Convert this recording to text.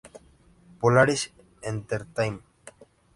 Polaris Entertainment.